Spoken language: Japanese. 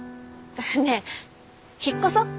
ねえ引っ越そう。